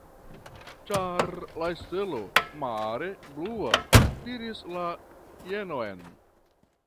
Ĉar la stelo, mare blua, diris la jenon.